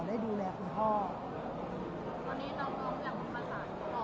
พี่คิดว่าเข้างานทุกครั้งอยู่หรือเปล่า